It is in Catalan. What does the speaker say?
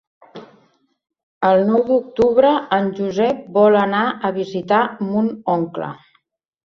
El nou d'octubre en Josep vol anar a visitar mon oncle.